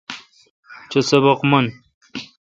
چو سبق من۔